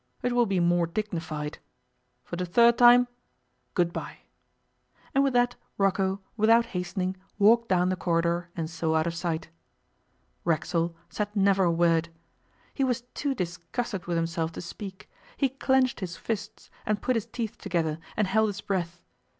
It will be more dignified. For the third time, good bye.' And with that Rocco, without hastening, walked down the corridor and so out of sight. Racksole said never a word. He was too disgusted with himself to speak. He clenched his fists, and put his teeth together, and held his breath.